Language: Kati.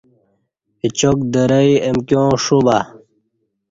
اچاک درئ امکیاں ݜو با